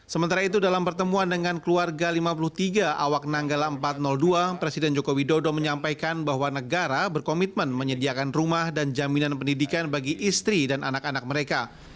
sementara itu dalam pertemuan dengan keluarga lima puluh tiga awak nanggala empat ratus dua presiden jokowi dodo menyampaikan bahwa negara berkomitmen menyediakan rumah dan jaminan pendidikan bagi istri dan anak anak mereka